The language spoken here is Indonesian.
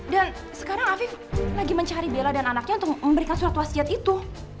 dan sekarang afif lagi mencari bella dan anaknya untuk memberikan surat wasiat itu